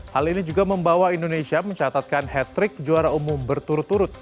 hal ini juga membawa indonesia mencatatkan hat trick juara umum berturut turut